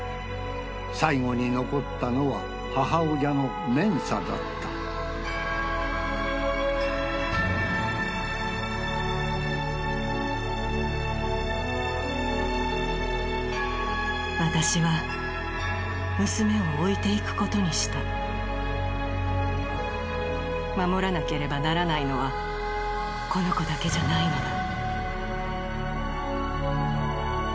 最後に残ったのは母親のメンサだった私は娘を置いていくことにした守らなければならないのはこの子だけじゃないのだ